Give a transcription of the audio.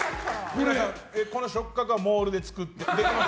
この触角はモールで作ってできます。